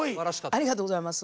ありがとうございます。